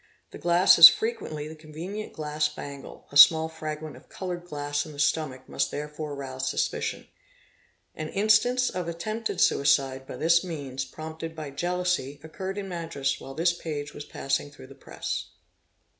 The glass is frequently the convenient glass bangle —a small fragment of coloured glass in the stomach must therefore rouse suspicion. An instance of attempted suicide by this means, prompted by jealousy, occurred in Madras while this page was passing through the press.